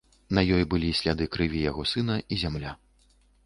На ёй былі сляды крыві яго сына і зямля.